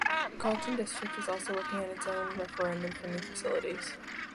The Carlton district was also working on its own referendum for new facilities.